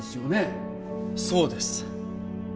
そうです。